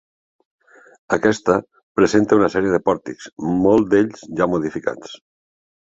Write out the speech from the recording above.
Aquesta presenta una sèrie de pòrtics, molt d'ells ja modificats.